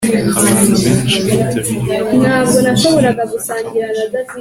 abantu benshi bitabiriye umuhango wo gushyingura tom